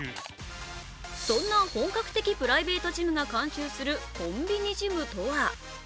そんな本格的プライベートジムが監修するコンビニジムとは？